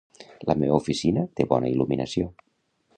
La meva oficina té bona il·luminació.